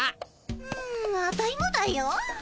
んアタイもだよ。